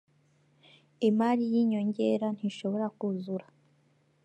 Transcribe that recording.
imari y inyongera ntishobora kuzura